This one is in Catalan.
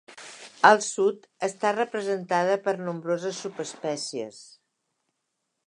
Al sud està representada per nombroses subespècies.